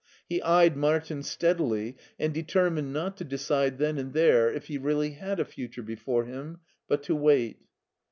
He eyed Martin steadily, and determined not to decide then and there if he really had a future before him, but to wait.